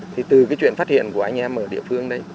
thì từ cái chuyện phát hiện của anh em ở địa phương đây